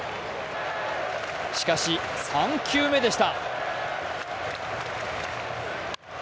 しかし３球目でした。